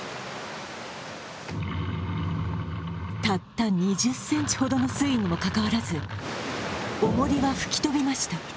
たった２０ｃｍほどの水位にも関わらず重りは吹き飛びました。